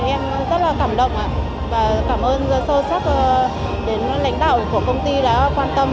em rất là cảm động và cảm ơn sâu sắc đến lãnh đạo của công ty đã quan tâm